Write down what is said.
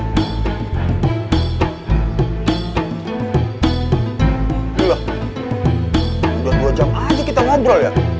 gila udah dua jam aja kita ngobrol ya